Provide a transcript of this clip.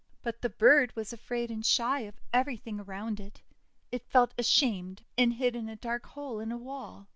But the bird was afraid and shy of everything around it. It felt ashamed, and hid in a dark hole in a wall.